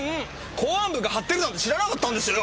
公安部が張ってるなんて知らなかったんですよ。